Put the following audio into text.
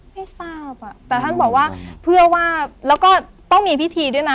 ให้ทราบอ่ะแต่ท่านบอกว่าเพื่อว่าแล้วก็ต้องมีพิธีด้วยนะ